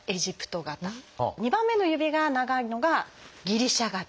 ２番目の指が長いのが「ギリシャ型」。